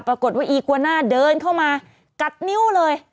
ปรากฏว่าอีกวาน่าเดินเข้ามากัดนิ้วเลย